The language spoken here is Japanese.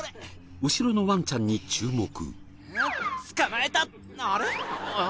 後ろのワンちゃんに注目。